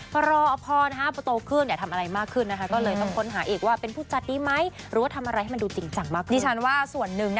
ว่าบทอันไหนต้องเป็นตัวตัวเอง